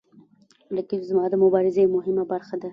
رقیب زما د مبارزې مهمه برخه ده